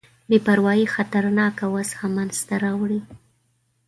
بې پروايي خطرناکه وضع منځته راوړې ده.